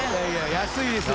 安いですよ。